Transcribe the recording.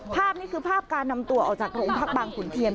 ภาพนี้คือภาพการนำตัวออกจากโรงพักบางขุนเทียน